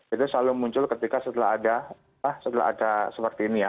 itu selalu muncul ketika setelah ada setelah ada seperti ini ya